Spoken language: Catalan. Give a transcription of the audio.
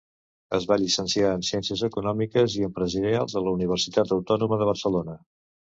Es va llicenciar en ciències econòmiques i empresarials a la Universitat Autònoma de Barcelona.